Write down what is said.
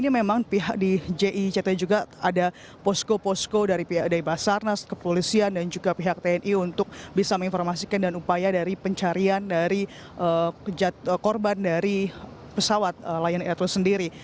memang pihak di jict juga ada posko posko dari pihak dari basarnas kepolisian dan juga pihak tni untuk bisa menginformasikan dan upaya dari pencarian dari korban dari pesawat lion air sendiri